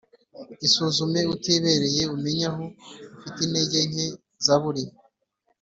Isuzume utibereye umenye aho ufite intege nke Zaburi